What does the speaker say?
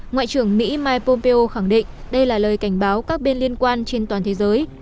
ngoại trưởng mỹ mike pompeo khẳng định đây là lời cảnh báo các bên liên quan trên toàn thế giới